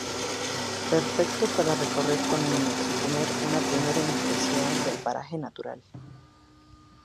Perfecto para recorrer con niños y tener una primera impresión del Paraje Natural.